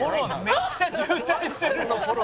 「めっちゃ渋滞してる！」